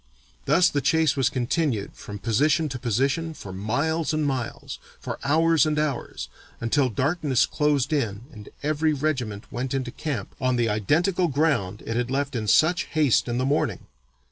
"Thus the chase was continued, from position to position, for miles and miles, for hours and hours, until darkness closed in and every regiment went into camp on the identical ground it had left in such haste in the morning.